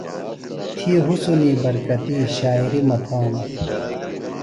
تھی حُسنی برکتی شاعِری مہ تھانوۡ۔